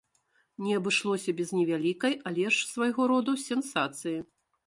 Не абышлося без невялікай, але ж свайго роду сенсацыі.